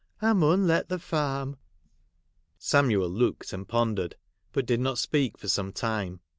I inun let the farm.' Samuel looked, and pondered, but did not speak for some time.